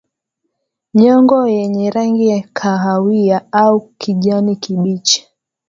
Nyongo yenye rangi ya kahawia au kijani kibichi